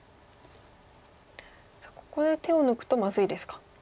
ここで手を抜くとまずいですか。